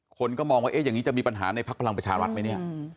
คนก็มองว่าอย่างนี้จะมีปัญหาในพักพลังประชารัฐไหมเนี่ย